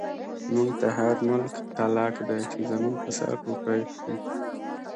موږ ته هر ملک تلک دی، چۍ زموږ په سر روپۍ خوری